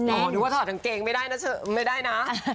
นึกว่าถอดกางเกงไม่ได้นะไม่ได้นะ